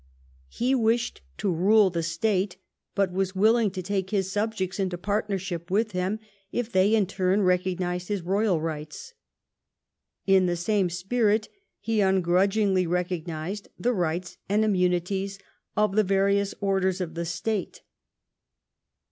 He wished to rule the state, but was willing to take his subjects into partnership with him, if they in return recognised his royal rights. In the same spirit he ungrudgingly recognised the riglits and im munities of the various orders of the State.